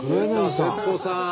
徹子さん！